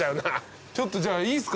ちょっとじゃあいいっすか？